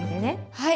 はい。